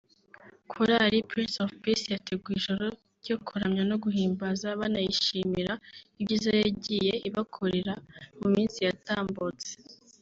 Korali Prince of Peace yateguye ijoro ryo kuramya no guhimbaza banayishimira ibyiza yagiye ibakorera mu minsi yatambutse